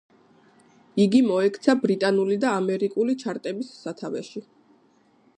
იგი მოექცა ბრიტანული და ამერიკული ჩარტების სათავეში.